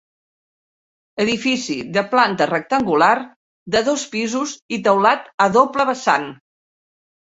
Edifici de planta rectangular, de dos pisos, i teulat a doble vessant.